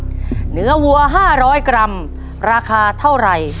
เหนือวัว๕๐๐กรัมราคาเท่าไหร่